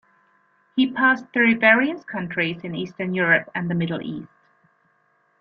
He passed through various countries in Eastern Europe and the Middle East.